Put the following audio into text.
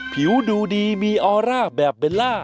ผิวดูดีมีออร่าแบบเบลล่า